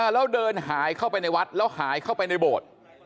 แล้วเดินหายเข้าไปในวัดแล้วหายเข้าไปในโบสถ์